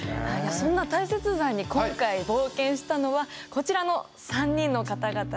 そんな大雪山に今回冒険したのはこちらの３人の方々です。